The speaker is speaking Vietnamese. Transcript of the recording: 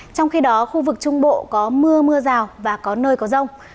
trong khi đó khu vực trung bộ có mưa mưa rào và có nơi có rông